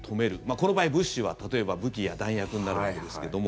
この場合、物資は例えば武器や弾薬になるわけですけど。